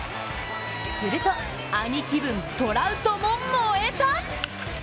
すると兄貴分、トラウトも燃えた。